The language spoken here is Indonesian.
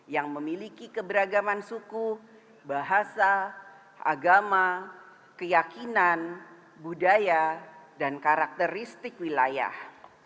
yang memiliki keberagaman suku bahasa agama keyakinan budaya dan karakteristik wilayah